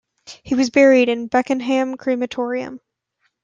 He was buried in Beckenham Crematorium.